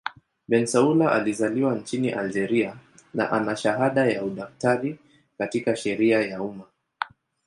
Bensaoula alizaliwa nchini Algeria na ana shahada ya udaktari katika sheria ya umma.